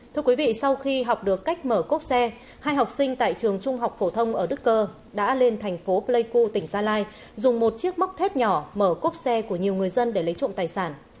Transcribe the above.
thưa quý vị sau khi học được cách mở cốp xe hai học sinh tại trường trung học phổ thông ở đức cơ đã lên thành phố pleiku tỉnh gia lai dùng một chiếc móc thét nhỏ mở cốp xe của nhiều người dân để lấy trộm tài sản